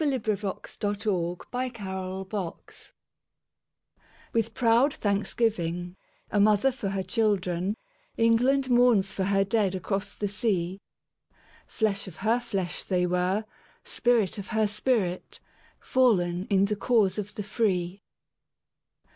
Laurence Binyon For the Fallen WITH proud thanksgiving, a mother for her childrenEngland mourns for her dead across the sea. Flesh of her flesh they were, spirit of her spirit, Fallen in the cause of the free.